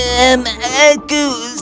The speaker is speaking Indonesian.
sekarang kebetulan ketika mereka berbicara